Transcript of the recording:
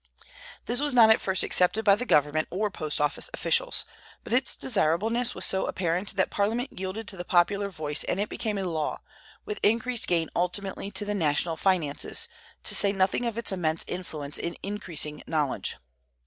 This was not at first accepted by the government or post office officials; but its desirableness was so apparent that Parliament yielded to the popular voice and it became a law, with increased gain ultimately to the national finances, to say nothing of its immense influence in increasing knowledge.